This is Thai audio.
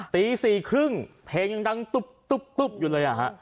ตี๔๓๐เพลงยังดังตุ๊บอยู่เลย